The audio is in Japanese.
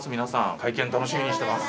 会見楽しみにしてます。